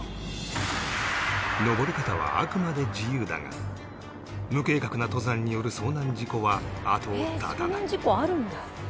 登り方はあくまで自由だが無計画な登山による遭難事故は後を絶たない